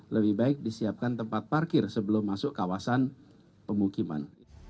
lebih baik disiapkan tempat parkir sebelum masuk kawasan pemukiman